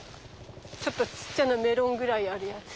ちょっとちっちゃなメロンぐらいあるやつ。